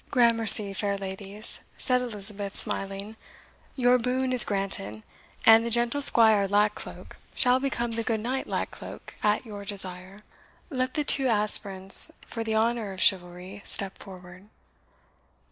"Gramercy, fair ladies," said Elizabeth, smiling, "your boon is granted, and the gentle squire Lack Cloak shall become the good knight Lack Cloak, at your desire. Let the two aspirants for the honour of chivalry step forward."